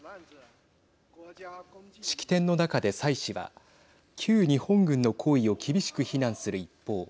式典の中で蔡氏は旧日本軍の行為を厳しく非難する一方